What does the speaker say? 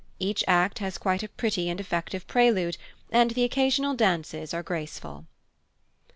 Each act has quite a pretty and effective prelude, and the occasional dances are graceful.